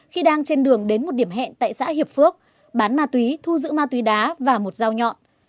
khi đang trên đường đến một điểm hẹn tại xã hiệp phước bán ma túy thu giữ ma túy đá và một dao nhọn